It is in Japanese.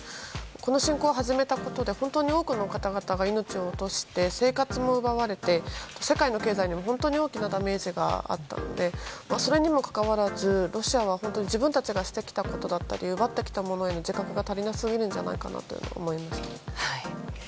この侵攻を始めたことで本当に多くの方々が命を落として生活も奪われて世界の経済に本当に大きなダメージがあったのでそれにもかかわらずロシアは本当に自分たちがしてきたことだったり奪ってきたものへの自覚が足りなすぎると思いました。